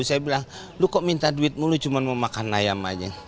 saya bilang lu kok minta duit mulu cuma mau makan ayam aja